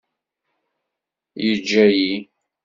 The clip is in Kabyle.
Yeǧǧa-yi.